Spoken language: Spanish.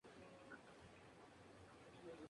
El sumo pontífice oró ante la patrona en la catedral.